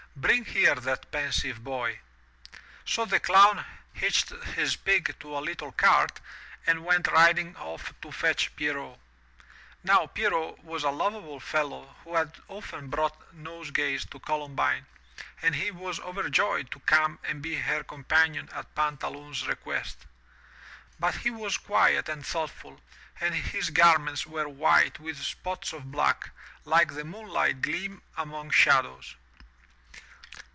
Bring here that pensive boy. So the Clown hitched his pig to a Uttle cart and went riding off to fetch Pierrot. Now Pierrot was a lovable fellow who had often brought nosegays to Columbine, and he was overjoyed to come and be her companion at Pantaloon's request. But he was quiet and thoughtful, and his garments were white with spots of black, like the moonlight gleam among shadows.